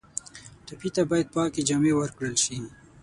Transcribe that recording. ټپي ته باید پاکې جامې ورکړل شي.